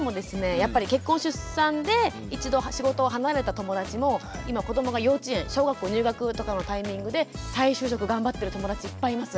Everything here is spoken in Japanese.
やっぱり結婚出産で一度仕事を離れた友達も今子どもが幼稚園小学校入学とかのタイミングで再就職頑張ってる友達いっぱいいます。